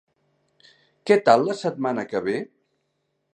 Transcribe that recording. Què tal la setmana que ve?